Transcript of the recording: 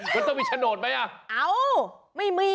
ก็ต้องมีฉโน้ทไหมอะ